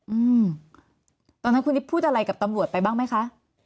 อืมตอนนั้นคุณนิดพูดอะไรกับตำรวจไปบ้างไหมคะ